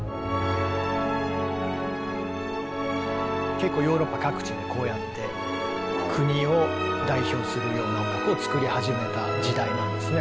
結構ヨーロッパ各地でこうやって国を代表するような音楽を作り始めた時代なんですね。